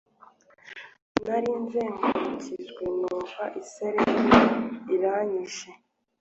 Narizengurukije numva isereri iranyishe